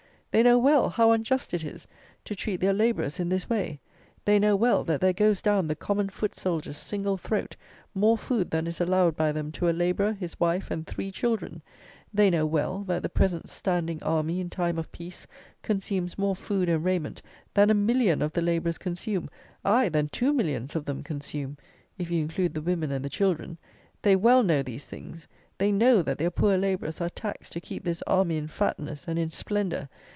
They know well, how unjust it is to treat their labourers in this way. They know well that there goes down the common foot soldier's single throat more food than is allowed by them to a labourer, his wife, and three children. They know well that the present standing army in time of peace consumes more food and raiment than a million of the labourers consume; aye, than two millions of them consume; if you include the women and the children; they well know these things; they know that their poor labourers are taxed to keep this army in fatness and in splendour.